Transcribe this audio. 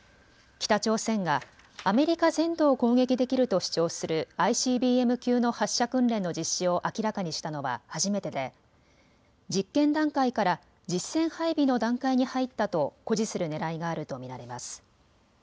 北朝鮮がアメリカ全土を攻撃できると主張するＩＣＢＭ級の発射訓練の実施を明らかにしたのは初めてで実験段階から実戦配備の段階に入ったと誇示するねらいがあると見られます。